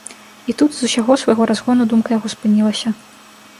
І тут з усяго свайго разгону думка яго спынілася.